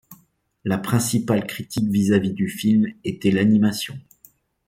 La principale critique vis-à-vis du film était l'animation.